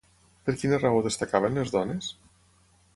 Per quina raó destacaven les dones?